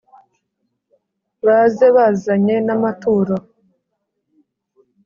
baze bazanye n`amaturo